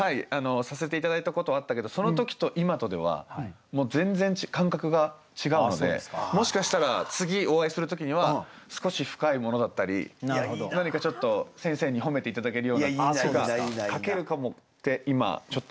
させて頂いたことはあったけどその時と今とではもう全然感覚が違うのでもしかしたら次お会いする時には少し深いものだったり何かちょっと先生に褒めて頂けるような句が書けるかもって今ちょっと。